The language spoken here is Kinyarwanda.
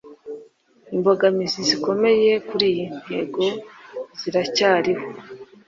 imbogamizi zikomeye kuri iyi ntego ziracyariho